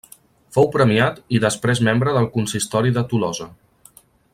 Fou premiat, i després membre del Consistori de Tolosa.